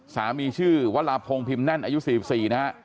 สามีชื่อวราพงศ์พิมพ์แน่นอายุ๔๔นะฮะ